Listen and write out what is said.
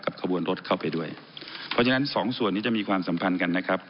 ขบวนรถเข้าไปด้วยเพราะฉะนั้นสองส่วนนี้จะมีความสัมพันธ์กันนะครับ